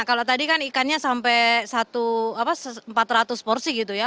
kalau tadi kan ikannya sampai empat ratus porsi gitu ya